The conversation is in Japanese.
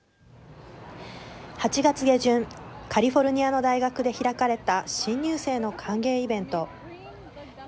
８月下旬カリフォルニアの大学で開かれた新入生の歓迎イベント。